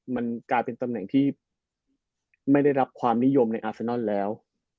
มันกลายเป็นตำแหน่งที่ไม่ได้รับความนิยมในอาเซนอนแล้ว